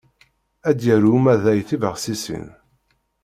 Ad d-yarew umadaɣ tibexsisin.